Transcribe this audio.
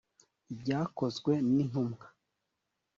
ibyakozwe n intumwa